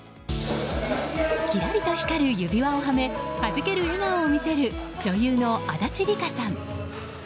きらりと光る指輪をはめはじける笑顔を見せる女優の足立梨花さん。